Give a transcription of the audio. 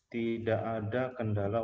tidak ada kendala